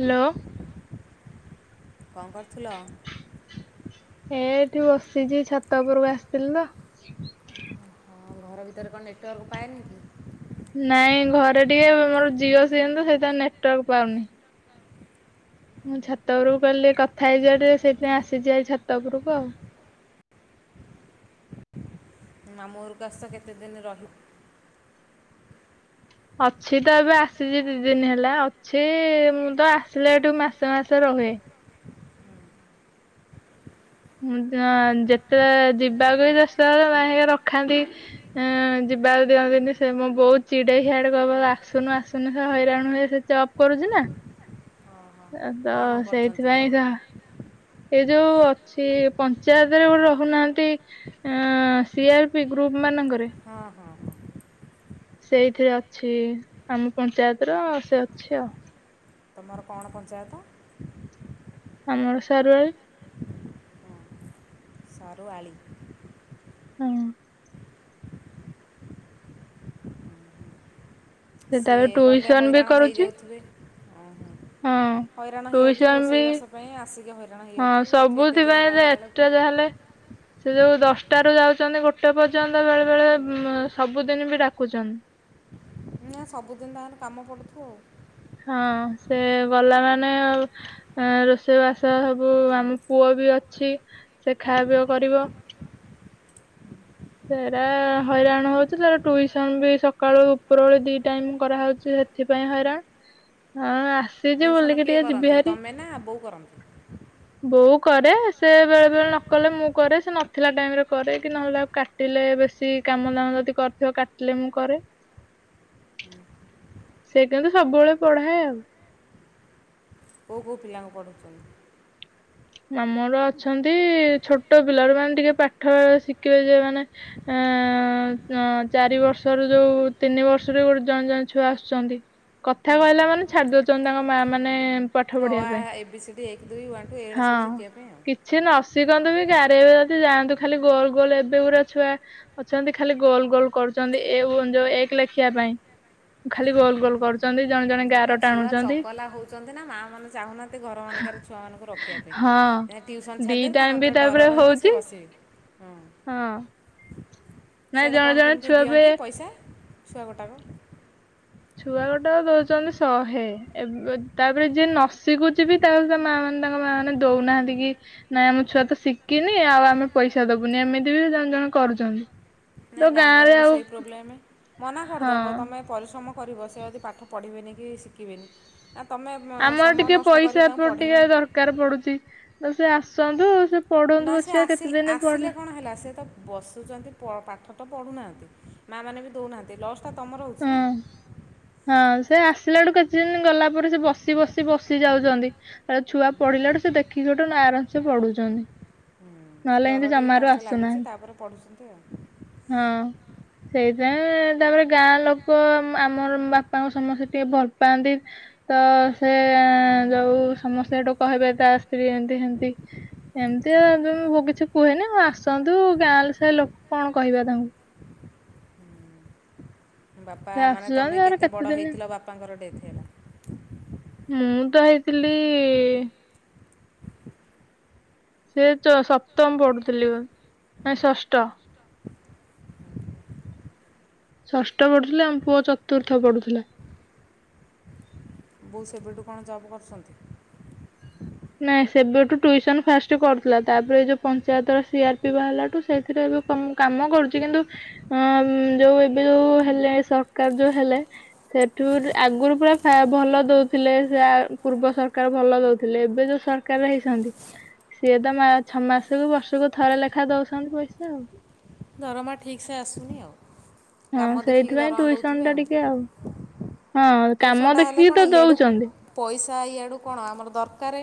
Hello. କ କରୁଥିଲ? ହଁ ଏଠି ବସିଛି ଛାତ ଉପରକୁ ଆସିଥିଲି ତ? ହଁ ଘର ଭିତରେ କଣ ନେଟୱାର୍କ ପାଉନି କି? ନାଇଁ ଘରେ ଟିକେ ମୋର ଜିଓ ସିମ୍ ତ ସେତିପାଇଁ ନେଟୱାର୍କ ପାଉନି। ମୁଁ ଛାତ ଉପରକୁ ଗଲେ କଥା ହେଇଯିବା ଟିକେ ସେଇଥି ପାଇଁ ଆସିଛି ଆଜି ଛାତ ଉପରକୁ ଆଉ। ମାମୁଁ ଘରକୁ ଆସିଚ କେତେଦିନି ରହି ଅଛି ତ ଏବେ ଆସିଛି ଦି ଦିନି ହେଲା ଅଛି ମୁଁ ତ ଆସିଲା ଏଠୁ ମାସେ-ମାସେ ରୁହେ। ହୁଁ ଯେତେବେଳେ ଯିବାକୁ ବି ଦଶଟା ବେଳେ ଭାଇ ହେକା ରଖାନ୍ତି। ହୁଁ ଯିବାକୁ ଦିଅନ୍ତି ନି ସେ ମୋ ବହୁତୁ ଚିଡେଇ ହିଁଆଡେ କହିବ ଆସୁନୁ-ଆସୁନୁ ସେ ହଇରାଣ ହୁଏ ସେ ଚପ୍ କରୁଛି ନା? ଏବ ସେଇଥିପାଇଁ ତ ଏଇ ଯୋଉ ସିଏ ପଞ୍ଚାୟତ ରେ ଗୋଟେ ରହୁନାହାନ୍ତି ଆ ସିଆରପି ଗ୍ରୁପ୍ ମାନଙ୍କରେ ହଁ ହଁ ହଁ। ସେଇଥିରେ ଅଛି ଆମ ପଞ୍ଚାୟତ ର ସିଏ ଅଛି ଆଉ। ତମର କଣ ପଞ୍ଚାୟତ? ଆମର ସାରୁଆଳୁ। ସାରୁଆଳି। ହୁଁ। ସିଏ ଗଲେ ହଇରାଣ ହେଇଯାଉଥିବେ ହଁ। ହଁ। ଟୁସନ୍ ବି ହଁ ସବୁଥିପାଇଁ ଏତେ ଯାହେଲେ ସେ ଯୋଉ ଦଶଟାରୁୁ ଯାଉଛନ୍ତି ଗୋଟେ ପର୍ଯ୍ୟନ୍ତ ବେଳେ ବେଳେ ସବୁଦିନି ବି ଡାକୁଛନ୍ତି। ନା ସବୁଦିନ ତାଙ୍କର କାମ ପଡ଼ୁଥିବ ଆଉ। ହଁ ସେ ଗଲା ମାନେ ଏଁ ରୋଷେଇବାସ ସବୁ ଆମ ପୁଅ ବି ଅଛି ସେ ଖାଆ ପିୟ କରିବ। ସେଇଟା ହଇରାଣ ହଉଛି ଟୁସନ୍ ବି ସକାଳୁ ଉପରବେଳି ଦି ଟାଇମ୍ କରାହଉଛି। ସେଥିପାଇଁ ହଇରାଣ ହଁ ଆସି ଟିଉସନ୍ କିଏ କରନ୍ତି ତମେ ନାଁ ବୋଉ କରନ୍ତି? ବୋଉ କରେ ସେ ବେଳେ-ବେଳେ ନ କଲେ ମୁଁ କରେ ସେ ନଥିଲା ଟାଇମ୍ ରେ କରେ କି ନହେଲେ ଆଉ କାଟ୍ କାଟିଲେ ବେଶୀ କାମ ଦାମ ଯଦି କରିଥିବ କାଟିଲେ ମୁଁ କରେ। ସେ କିନ୍ତୁ ସବୁବେଳେ ପଢ଼ାଏ ଆଉ। କୋଉ କୋଉ ପିଲାଙ୍କୁ ପଢ଼ଉଛନ୍ତି? ଆମର ଅଛନ୍ତି ଛୋଟ ପିଲାରୁ ମାନେ ଟିକେ ପାଠ ଶିଖିବେ ଯୋଉ ମାନେ ଏଁ-ଏଁ-ଏଁ-ଏଁ ଚାରି ବର୍ଷରୁ ଯୋଉ ତିନି ବର୍ଷରୁ ଗୋ ଜଣେ-ଜଣେ ଛୁଆ ଆସୁଛନ୍ତି। କଥା କହିଲା ମାନେ ଛାଡି ଦଉଛନ୍ତି ତାଙ୍କ ମାଆମାନେ ଅ, ଆ, ଏ, ବି, ସି, ଡି ଏକ ଦୁଇ ୱାନ୍ ହଁ କି ଛି ନଶିଖନ୍ତୁ ବି ଗାରେଇ ଗୁରାକି ଯାଆନ୍ତୁ ଖାଲି ଗୋଲ-ଗୋଲ ଏବେ ଗୁୁରା ଛୁଆ ଅଛନ୍ତି ଖାଲି ଗୋଲ୍-ଗୋଲ୍ କରୁଛନ୍ତି ଏ ଯୋଉ ଏକ ଲେଖିବା ପାଇଁ। ଖାଲି ଗୋଲ୍-ଗୋଲ୍ କରୁ ଛନ୍ତି ଜଣେ ଜଣ୍ ଏଇନା ଛୁଆ ଚଗଲା ହଉଛନ୍ତି ନା, ମାଆମାନେ ଚାହୁଁନାହାନ୍ତି ଘର ମାନେକେରେ ଛୁଆମାନଙ୍କୁ ରଖିବା ପାଇଁ, [inaudible] ଟିଉସନ୍ ଛାଡ଼ିଦେଲେ ତାଙ୍କର ଟିକେ ଡର ରହିବ ସେ ବସିବେ ହୁଁ। ହୁଁ। ସେଆଡେ କଣ କେମିତି ଦିଅନ୍ତି ପଇସା ଛୁଆ ଗୋଟାକ? ଛୁଆ ଗୋଟାକ ଦଉଛନ୍ତି ଶହେ, ଏବେ ତାପରେ ଯିଏ ନଶିଖୁଛି ବି [inaudible] ମାଆ ମାନେ ତାଙ୍କ ମାଆ ମାନେ ଦଉନାହାନ୍ତି କି ନାଇଁ ଆମ ଛୁଆ ତ ଶିଖିନି ଆଉ ଆମେ ପଇସା ଦବୁନି ଏମିତି ବି ଜଣେ ଜଣେ କରୁଛନ୍ତି। ନାଇଁ ଗାଆଁ ଗହଳିରେ ସେଇ ପ୍ରୋବ୍ଲେମ, ମନା କରିଦେବ ତମେ ପରିଶ୍ରମ କରିବ ସେ ଯଦି ପାଠ ପଢ଼ିବେନି କି ଶିଖିବେନି ଆ ତମେ ସମୟ ନଷ୍ଟ କରି ତାଙ୍କୁ ପଢ଼େଇବ ନା। ଦକାର ପଡୁଛି ତ ସେ ଆସନ୍ତୁ ସେ ନା ସେ ଆସିଲେ, ଆସିଲେ କଣ ହେଲା ସେ ତ ବସୁଛନ୍ତି ପଡ୍ ପାଠ ତ ପଢୁନାହାଁନ୍ତି ମାଆମାନେ ବି ଦଉନାହାନ୍ତି ଲସ୍ ଟା ତମର ହଉଛି ନା। ହଁ ସେ ଆସିଲାଠୁ କିଛି ଦିନ ଗଲା ପରେ ସେ ବସି-ବସି-ବସି ଯାଉଛନ୍ତି। ଏ ଛୁଆ ପଢିଲାଠୁ ସେ ଦେଖିକି ଗୋଟେ ନା ଆରାମସେ ପଢୁଛନ୍ତି। ହୁଁ ଏଇ ଡର ଟିକେ ଫାଷ୍ଟ ଲାଗୁଛି ତାପରେ ପଢ଼ୁଛନ୍ତି ଆଉ। ହଁ, ସେଇଥିପାଇଁ ତାପରେ ଗାଆଁ ଲୋକ ଉମ୍ ଆମର ବାପାଙ୍କୁ ସମସ୍ତେ ଟିକେ ଭଲ ପାଆନ୍ତି। ତ-ଅ-ଅ ସେ-ଏ-ଏ-ଏ ଯୋଉ ସମସ୍ତେ ହେଠୁ କହିବେ ତା ସ୍ତ୍ରୀ ଏମିତି ସେମିତି। ଏମିତିଆ ଯୋଉ ମୋ ବୋଉ କିଛି କୁହେନି ହ ଆସନ୍ତୁ ଗାଆଁ ସାହି ଲୋକ କଣ କହିବା ତାଙ୍କୁ। ହୁଁ। ବାପା ମାନେ ତମେ କେତେ ବଡ଼ ହେଇଥିଲ ବାପାଙ୍କର ଡେଥ୍ ହେଲା? ମୁଁ ତ ହେଇଥିଲି ସେ ଚ ସପ୍ତମ ପଢୁଥିଲି ପା, ନାଇଁ ଷଷ୍ଠ। ଷଷ୍ଠ ପଢୁଥିଲି, ଆମ ପୁଅ ଚତୁର୍ଥ ପଢୁଥିଲା। ବୋଉ ସେବେଠୁ କଣ ଜବ୍ କରୁଛନ୍ତି? ନାଇଁ ସେବେଠୁ ଟ୍ୟୁସନ ଫାଷ୍ଟ କରୁଥିଲା ତାପରେ ଯୋଉ ପଞ୍ଚାୟତର ସିଆରପି ବାହାରିଲାଠୁ ସେଇଥିରେ ଏବେ ତ ମୁଁ କାମ କରୁଛି କିନ୍ତୁ ଅଁ-ଅଁ ଯୋଉ ଏବେ ଯୋଉ ହେଲେ ସରକାର ଯୋଉ ହେଲେ ସେଠୁରୁ ଆଗରୁ ପୁରା ଫା ଭଲ ଦଉଥିଲେ ସେ ପୂର୍ବ ସରକାର ଭଲ ଦଉଥିଲେ ଏବ୍ ଏବେ ଯୋଉ ସରକାର ହେଇଛନ୍ତି ସିଏ ତ ମା ଛଅ ମାସକୁ ବର୍ଷକୁ ଥରେ ଲେଖା ଦଉଛନ୍ତି ପଇସା ଆଉ। ଦରମା ଠିକ୍ସେ ଆସୁନି ଆଉ କାମ ଦେଖିକି ଦରମା ଦେଉଥିବେ ଆଉ। ଟିଉସନ୍ଟା ହେଲେ କଣ ଇଡ଼ୁ ପଇସା ଇଆଡ଼ୁ କଣ ଆମର ଦରକାର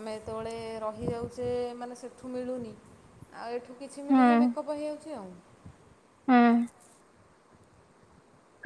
ଆମେ ଯେତେବେଳେ ରହିଯାଉଛେ ମାନେ ସେଠୁ ମିଳୁନି। ଆଉ ଏଠୁ କିଛି ମିଳିଲେ ମେକଅପ୍ ହେଇଯାଉଛି ଆଉ। ହୁଁ।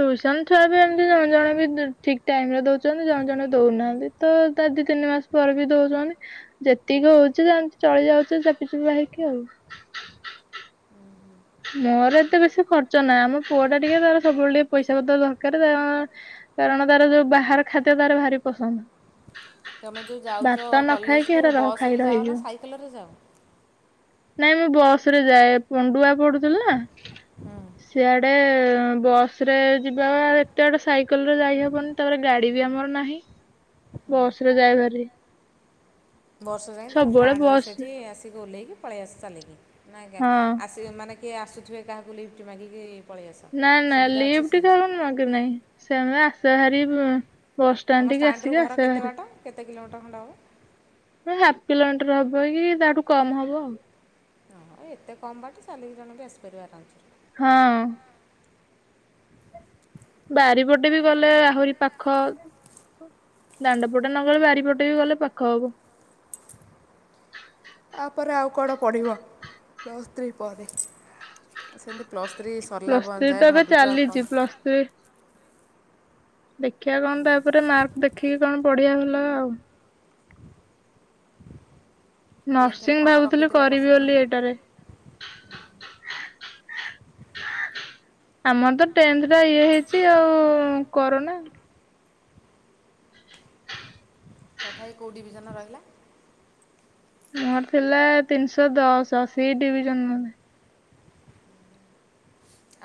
ଟ୍ୟୁସନ ଛୁଆ ବି ଏମିତି ଜଣେ ବି ଠିକ ଟାଇମରେ ଦଉଛନ୍ତି ଜଣେ ଜଣେ ଦଉନାହାନ୍ତି ତ ଦାଦି ତିନି ମାସ ପରେ ବି ଦଉଛନ୍ତି। ଯେତିକି ହଉଛି ଯେମିତି ଚଳି ଯାଉଛି ଚାପି ଚ ବା ହେକି ଆଉ। ମୋର ଏତେ ବେଶୀ ଖର୍ଚ୍ଚ ନାହିଁ ଆମ ପୁଅ ଟା ଟିକେ ତର ସବୁବେଳେ ଟିକେ ପଇସା ପ ଦରକାର ତା କାରଣ ତାର ଯୋଉ ବାହାର ଖାଦ୍ୟ ତାର ଭାରି ପସନ୍ଦ। ତୁମେ ଯେଉଁ ଯାଉଛ କଲେଜକୁ ବସ ଯାଅ ନା ସାଇକେଲରେ ଯାଅ। ନାଇଁ ମୁଁ ବସ ରେ ଯାଏ ପଣ୍ଡୁଆ ପୁଥିଲ ନା [inaudible] ସିଆଡେ ବସ ସେରେ ଯିବା ଏତେ ଆଡେ ସାଇକେଲ ରେ ଯାଇହବନି ତାପରେ ଗାଡି ବି ଆମର ନାହିଁ। ବସରେ ଯାଇବାର। ବସ ଯାଇ ଷ୍ଟାର୍ଟରେ ସେଇଠି ଆିକି ଓହଲାଇକି ପଳେଇ ଆସ ଚାଲିକି ଆଜ୍ଞା। ସେ ମାନେ କିଏ ଆସୁଥିବେ କାହାକୁ ଲିଫ୍ଟ ମାଗିକି ନା ନା ଲିଫ୍ ଟ ଖଉନ ମାଗେ ନହିଁ ସେମାନେ ଆସ ଭାରି ବସଣ୍ଡ ଟିକେ ଆସିକି ଆସିବା ବାହାରି। କେତେ କିଲୋମଟର ଖଣ୍ଡ ହେବ ହାଫ୍ କିଲୋମିଟର ହବ କି ତାଠୁ କମ ହବ ଆଉ ହଁ ହଁ ଏତେ କମ୍ ବାଟ ଚାଲିକି ଜଣ ବି ଆସିପାରିବ ଆରାମସେ ହଁ। ବାରିପଟେ ବି ଗଲେ ଆହୁରି ପାଖ ଦାଣ୍ଡପଟେ ନଗଲେ ବାରିପଟେ ବି ଗଲେ ପାଖ ହବ। ଆପରେ ଆଉ କଣ ପଢ଼ିବ ପ୍ଲସ୍ ଥ୍ରୀ ପରେ ସେମିତି ପ୍ଲସ୍ ଥ୍ରୀ ସରିଲା ବ ଯାଏ ଭାବିଛ କଣ ଦେଖିବା କଣ ତାପରେ ମାର୍କ ଦେଖିକି କଣ ପଢ଼ିବା ଭଲ ଆଉ। ନର୍ସିଂ ଭାବୁଥିଲି କରିବି ବୋଲି ଏଇଟାରେ [inaudible] ଆମର ତ ଟେନ୍ଥ ଟା ଇଏ ହେଇଛି ଆଉ କରେନା। ତଥାପି କେଉଁ ଡିଭିଜନରେ ରହିଲା ମୋର ଥିଲା ତିନିଶହ ଦଶ ସି ଡିଭିଜନ ମ।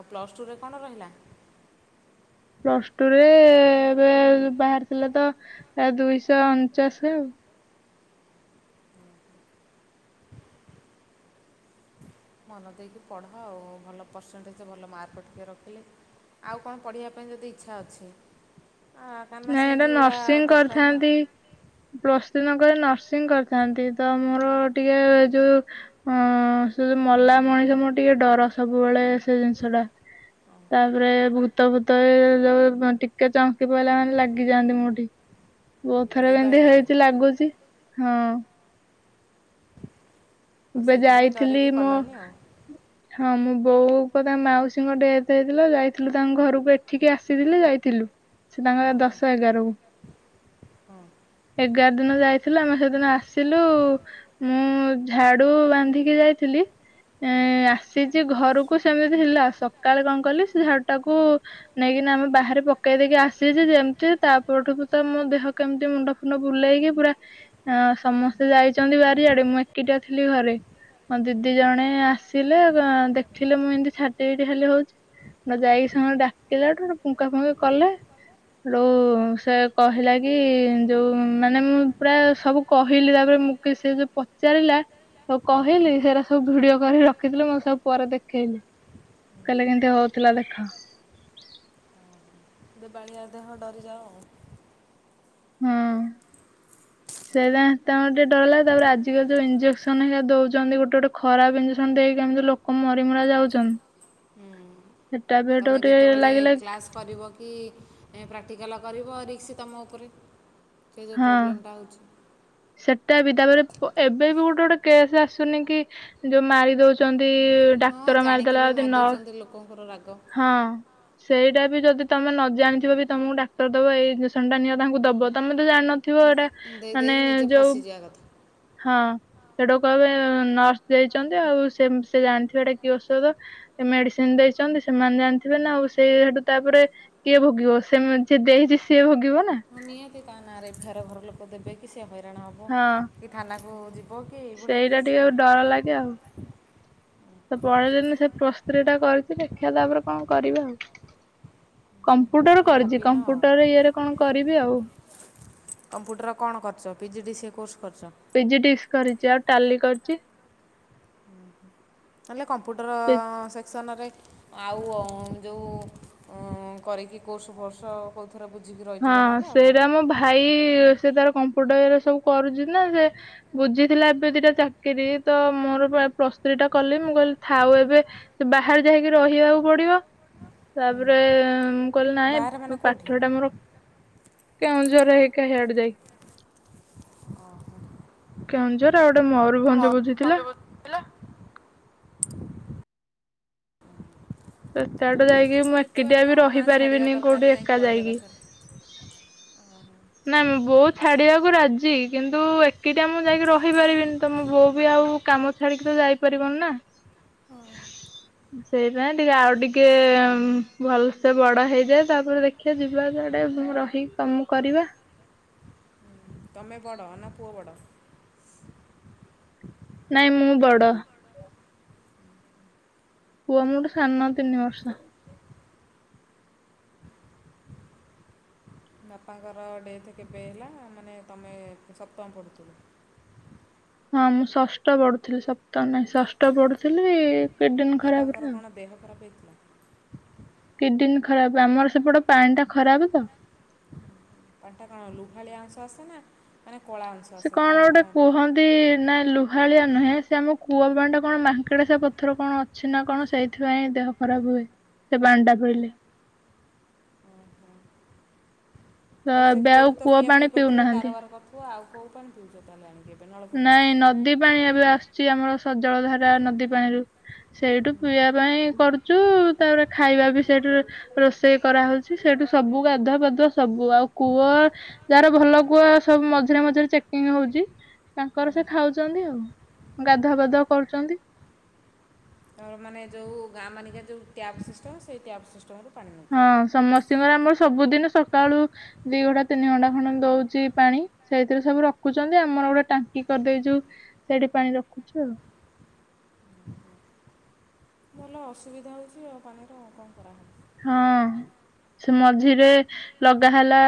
ଆଉ ପ୍ଲସ୍ ଟୁରେ କଣ ରହିଲା। ପ୍ଲସ ଟୁ ରେ ଏବେ ବାହାରିଥିଲା ତ ଦୁଇଶହ ଅଣଚାଶ ଆଉ ମନ ଦେଇକି ପଢ ଆଉ ଭଲ ପରର୍ସେଣ୍ଟେଜ ଭଲ ମାର୍କ ଟିକେ ରଖିଲି ଆଉ କଣ ପଢ଼ିବା ପାଇଁ ଯଦି ଇଚ୍ଛା ଅଛି କାହିଁକିନା ସିଟ୍ ଗୁଡ଼ା ଦରକାର ନା। ପ୍ଲସ୍ ଥି କରି ନର୍ସିଂ କରିଥାନ୍ତି ତ ମୋର ଟିକେ ଯୋଉ ହଁ ସେ ଯୋଉ ମଲା ମଣିଷ ମୋର ଟିକେ ଡର ସବୁବେଳେ ସେ ଜିନିଷ ଟା ତାପରେ ଭୂତ ଭୂତ ଯୋଉ ଟିକେ ଚମକି ପଡ଼ିଲା ମାନେ ଲାଗିଯାଆନ୍ତି ମୋଠି ବୋହୁତ ଥର ବି ଏମିତି ହେଇଛି ଲାଗୁଛି ହଁ ଏବେ ଯାଇଥିଲି ମୁଁ ହଁ ମୋ ବୋଉ ଙ୍କ ତା ମାଉସୀଙ୍କ ଡେଥ ହେଇଥିଲା ଯାଇଥିଲୁ ତାଙ୍କ ଘରକୁ ଏଠିକି ଆସିଥିଲି ଯାଇଥିଲୁ ସେ ତାଙ୍କର ଦଶ ଏଗାରକୁ ହଁ ଏଗାର ଦିନ ଯାଇଥିଲ ଆମେ ସେଦିନ ଆସିଲୁ ମୁଁ ଝାଡୁ ବାନ୍ଧିକି ଯାଇଥିଲି। ଏଁ ଆସିଛି ଘରକୁ ସେମିତି ଥିଲା ସକାଳେ କଣ କଲି ସେ ଝାଡ଼ ଟାକୁ ନେଇକିନା ଆମେ ବାହାରେ ପକେଇ ଦେଇକି ଆସିଛି ଯେମତି ତା ପରଠୁ ତ ମୋ ଦେହ କେମିତି ମୁଣ୍ଡ ବୁଲେଇକି ପୁରା ସମସ୍ତେ ଯାଇଛନ୍ତି ବାରି ଆଡେ, ମୁଁ ଏକିଟିଆ ଥିଲି ଘରେ। ଦିଦି ଜଣେ ଆସିଲେ, ଅଁ ଦେଖିଲେ ମୁଁ ଏମିତି ଛାଟିପିଟି ଖାଲି ହଉଛି। ନା ଯାଇକି ସେମାନେ ଡାକିଲାଠୁ ହେଠୁ ପୁଙ୍ଗା ଫୁଙ୍କି କଲେ। ରୋଉ ସେ କହିଲା କି ଯୋଉ ମାନେ ମୁଁ ପୁରା ସବୁ କହିଲି ତାପରେ ମୁଁ, କି ଯେ ପ ପଚାରିଲା ସବୁ କହିଲି, ସେଇଟା ସବୁ ଭିଡିଓ କରି ରଖିଥିଲେ ମତେ ସବୁ ପରେ ଦେଖେଇଲେ। କହିଲେ କେମତି ହଉଥିଲା ଦେଖ। ଦେବାଳିଆ ଦେହ ଡରିଯାଅ ଆଉ। ହଁ। ସେରନା ତାଙ୍କ ଟିକେ ଡର ଲାଗେ ତାପରେ ଆଜିକାଲି ଯୋଉ ଇଞ୍ଜେକସନ ହେକା ଦୋଉଛନ୍ତି ଗୋଟେ ଗୋଟେ ଖରାପ ଇଞ୍ଜେକସନ ଦେଇ କେମିତି ଲୋ ଲୋକ ମରିମରା ଯାଉଛନ୍ତି। ହୁଁ ତମେ ଯେତେବେଳେ କ୍ଲାସ, କରିବ କି ପ୍ରାକ୍ଟିକାଲ କରିବ ରିକ୍ସ ତମ ଉପରେ। ସେ ଯେଉଁ ପ୍ରୋବ୍ଲେମ ଟା ହେଉଛି। ସେଟା ବି ତାପରେ ଏବେ ବି ଗୋଟେ ଗୋଟେ କେସ୍ ଆସୁନି କି? ଯୋଉ ମାରି ଦଉଛନ୍ତି। ହଁ ଜାଣିକି ବି ମାରି ଦେଉଛନ୍ତି ଲୋକଙ୍କର ରାଗ। ହଁ। ସେଇଟା ବି ଯଦି ତମେ ନ ଜାଣିଥିବ ବି ତମକୁ ଡାକ୍ତର ଦବ ଏଇଞ୍ଜେକ୍ସନ ଟା ନିଅ ତାଙ୍କୁ ଦବ ତମେ ତ ଜାଣିନ, ଥିବ ଏଟା ମାନେ ଫସିଯିବା କଥା। ହଁ ସେଟା କୁ କହିବେ ନର୍ସ ଦେଇଛନ୍ତି ଆଉ ସେ ସେ ଜାଣିଥିବେ ଏଇଟା କି ଔଷଧ। ମେଡିସିନ ଦେଇଛନ୍ତି, ସେମାନେ ଜାଣିଥିବେ ନା ଆଉ ସେଇ ସେଠୁ ତାପରେ, କିଏ ଭୋଗିବ ସେ ଯିଏ ଦେଇଛି ସିଏ ଭୋଗିବ ନା। ମୁଁ ନିହାତି ତା ନାଁରେ ଏଫାୟାର ଘର ଲୋକ ଦେବେ କି ସେ ହଇରାଣ ହେବ କି ଥାନାକୁ ଯିବ, ସେଇଟା ଟିକେ ଆଉ ଡର ଲାଗେ ଆଉ। ତ ପଢେଇଲେନି ସେ ପ୍ଲସ ଥ୍ରୀ ଟା କରିଛି ଦେଖିବା ତାପରେ କଣ କରିବା ଆଉ। କମ୍ପୁଟର କରିଛି, କମ୍ପୁଟରରେ ଇଏରେ କଣ କରିବି ଆଉ। କମ୍ପ୍ୟୁଟର କଣ କରିଛ ପିଜି ଡ଼ିସିଏ କୋର୍ସ କରିଛ। ପିଜିଟିକ୍ସ କରିଛି ଆଉ ଟାଲି କରିଛି। ନହେଲେ କମ୍ପ୍ୟୁଟର ସେକ୍ସନରେ, ଆଉ ଅଁ ଯୋଉ ଉଁ କରିକି କୋର୍ସ ଫୋର୍ସହ ଥରେ ବୁଝିକି ରହିଯିବ ନହେଲେ ଆଉ କଣ। ଖାଇ ସେ ତାର କମ୍ପୁଟର ସବୁ କରୁଛି ନା ସେ ବୁଝି ଥିଲା ଏବେ ଦିଇଟା ଚାକିରି ତ ମୋର ପ୍ରାୟ ପ୍ଲସ ଥ୍ରୀ ଟା କଲି ମୁଁ କହିଲି ଥାଉ ଏବେ, ସେ ବାହାରେ ଯାଇକି ରହିବାକୁ ପଡିବ ତାପରେ, କହିଲି ନାଇଁ ପା ପାଠ ଟା ମୋର କେଉଁଝର ହେଇଖା ହେଆଡେ ଯାଇ। ହଁ। କେଉଁଝର ଆଉ ଗୋଟେ ମୟୂରଭଞ୍ଜ ବୁଝିଥିଲା। ହେଲା। ଏତେବାଟୁୁ ଯାଇକି ମୁଁ ଏକିଟିଆ ବି ରହିପାରିବିନି କୋଉଠି ଏକା ଯାଇକି। ନାଇଁ ମଁ ବୋଉ ଛାଡିବାକୁ ରାଜି କିନ୍ତୁ ଏକିଟା ମୁଁ ଯାଇକି ରହିପାରିବିନି ତ ମୋ ବୋଉ ବି ଆଉ କାମ ଛାଡ଼ିକି ତ ଯାଇପାରିବନି ନା। ସେଇତିପାଇଁ ଟିକେ ଆଉ ଟିକେ ଭଲସେ ବଡ ହେଇଯାଏ ତାପରେ ଦେଖ ଆକ୍ଷି ଯିବା ଜଆଡେ ମୁଁ ରହିି କାମ କରିବା। ତମେ ବଡ ନା ପୁଅ ବଡ? ନାଇଁ ମୁଁ ବଡ। ପୁଅ ମୁଁ ମୋଠୁ ସାନ ତିନି ବର୍ଷ। ବାପାଙ୍କର ଡେଥ କେବେ ହେଲା? ମାନେ ତମେ ସପ୍ତମ ପଢ଼ୁଥିଲ। ହଁ ମୁଁ ଷଷ୍ଠ ପଢୁଥିଲି ସପ୍ତହ ନାହିଁ ଷଷ୍ଠ ପଢୁଥିଲି ବାପାଙ୍କର କଣ ଦେହ ଖରାପ ହେଇଥିଲା? କିଡନୀ ଖରାପ ଆମର ସେପଟ ପାଣି ଟା ଖରାପ ତ। କଣ୍ଟା କଣ ଲୁହାଳିଆ ଅଂଶ ଆସେ ନା ମାନେ କଳା ଅଂଶ ଆସେ କଣ କଣଟା? ନାଇଁ ଲୁହାଳିଆ ନୁହେଁ ସେ ଆମ କୂଅ ପାଣି ଟା କଣ ମାଙ୍କେଡ଼ାସଆ ପଥର କଣ ଅ ଛି ନା କଣ ସେଇଥିପାଇ ହିଁ ଦେହ ଖରାପ ହୁଏ ସେ ପାଣିଟା ପିଇଲେ? ତାହେଲେ ସେ କୂଅରୁ ତ ପିଆ ପିଇ କରିଥିବ କାର କରୁିବ ଆଉ କୋଉ ପାଣି ପିଉଛ ତାହେଲେ ଆଣିକି? ନାଇଁ ନଦୀ ପାଣି ଏବେ ଆସୁଛି ଆମର ସଜଳ ଧାରା ନଦୀ ପାଣିରୁ। ସେଇଠୁ ପିଇବା ପାଇଁ କରୁଛୁ ତାପରେ ଖାଇବା ବି ସେଇଠୁ ରୋଷେଇ କରାହଉଛି ସେଇଠୁ ସବୁ ଗାଧୁଆ ପାଧୁଆ ସବୁ ଆଉ କୂଅ ଯାହାର ଭଲ କୁହ ସବୁ ମଝିରେ ମଝିରେ ଚେକିଂ ହଉଛି। ତାଙ୍କର ସେ ଖାଉଛନ୍ତି ଆଉ। ଗାଧୁଆବାଧୁଆ କରୁଛନ୍ତି। ତର ମାନେ ଯେଉଁ ଗାଁ ମାନିକା ଯେଉଁ ଟ୍ୟାପ୍ ସିଷ୍ଟମ୍ ସେଇ ଟ୍ୟାପ୍ ସିଷ୍ଟମ୍ରୁ ହଁ ସମସ୍ତଙ୍କର ଆମର ସବୁଦିନ ସକାଳୁ ଦି ଘଣ୍ଟା ତିନି ଘଣ୍ଟା ଖଣ୍ଡ ଦଉଛି ପାଣି ସେଇଥିରେ ସବୁ ରଖୁଛନ୍ତି ଆମର ଗୋଟେ ଟାଙ୍କି କରିଦେଇଛୁ ସେଇଠି ପାଣି ରଖୁଛୁ ଆଉ। ଭଲ ଅସୁବିଧା ହେଉଛି ଆଉ ପାଣିର କଣ କରାହେବ? ହଁ ସେ ମଝିରେ ଲଗା ହେଲା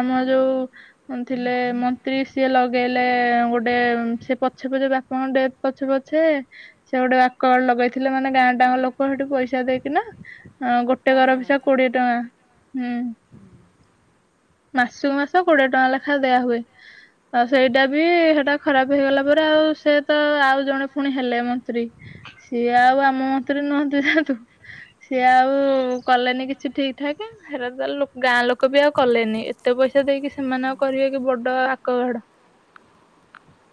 ଆମ ଯୋଉ ଥିଲେ ମନ୍ତ୍ରୀ ସିଏ ଲଗେଇଲେ ଗୋଟେ ସେ ପଛେ ପଛେ ବାପା ଗଣ୍ଡେ ପଛେ ପଛେ ସେ ଗୋଟେ ଆକଡ ଲଗେଇଥିଲେ ମାନେ ଗାଁଟା ଙ୍କ ଲୋକ ସେଠୁ ପଇସା ଦେଇକିନା ଗୋ ଟେ ଗର ପିଛା କୋଡିଏ ଟଙ୍କା ହୁଁ। ମାସକୁ ମାସ କୋଡିଏ ଟଙ୍କା ଲେଖାଏ ଦିଆ ହୁଏ। ଆଉ ସେଇଟା ବି ସେଟା ଖରାପ ହେଇଗଲା ପରେ ଆଉ ସେ ତ ଆଉ ଜଣେ ପୁଣି ହେଲେ ମନ୍ତ୍ରୀ। ସିଏ ଆଉ ଆମ ମତରେ ନୁହନ୍ତିୁ ଯନ୍ତୁ ସିଏ ଆଉ କଲେନି କିଛି ଠିକ୍ ଠାକ। ଖରା ତ ଗାଁ ଲୋକ ବି ଆଉ କଲେନି ଏତେ ପଇସା ଦେଇକି ସେମାନେଙ୍କଉ କରିବା କି ବଡ ଆଖଘଡ।